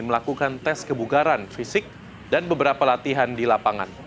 melakukan tes kebugaran fisik dan beberapa latihan di lapangan